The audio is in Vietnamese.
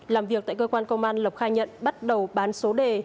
làm việc tại cơ quan công an lộc khai nhận bắt đầu bán số đề